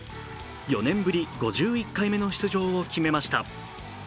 ４年ぶり５１回目の出場を決めました